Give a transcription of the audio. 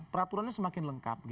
peraturannya semakin lengkap